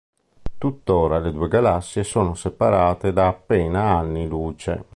Tuttora le due galassie sono separate da appena anni luce.